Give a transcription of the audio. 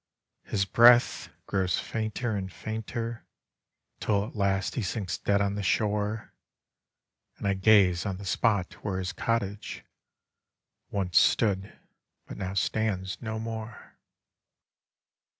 His breath grows fainter and fainter. Till at last he sinks dead on the shore; And I gaze on the spot where his cottage Once stood, but now stands no more.